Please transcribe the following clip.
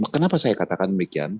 kenapa saya katakan demikian